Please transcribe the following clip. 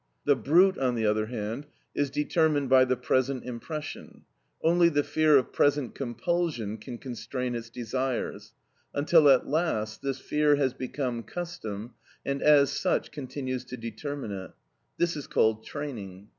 The brute, on the other hand, is determined by the present impression; only the fear of present compulsion can constrain its desires, until at last this fear has become custom, and as such continues to determine it; this is called training.